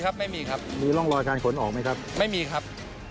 บ้านขนออกมั้ยครับไม่มีครับ